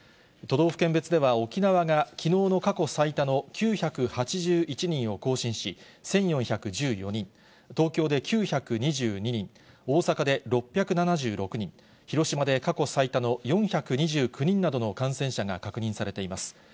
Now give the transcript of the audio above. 都道府県別では、沖縄がきのうの過去最多の９８１人を更新し、１４１４人、東京で９２２人、大阪で６７６人、広島で過去最多の４２９人などの感染者が確認されています。